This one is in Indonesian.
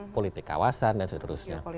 politik kawasan dan sebagainya